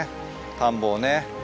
田んぼをね。